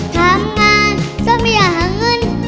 ทำง่าโซมอย่าหาเงิน